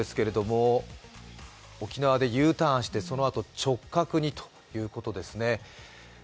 台風６号ですけれども、沖縄でＵターンして、そのあと直角にということですね。